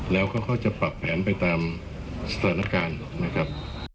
แล้วเขาจะปรับแผนไปตามสถานการณ์